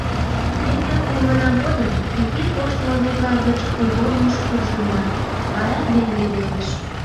Тӱнӧ улмына годым – кӱтӱ коштмо верла гыч кугорныш куржынна, вара – мӧҥгӧ велыш.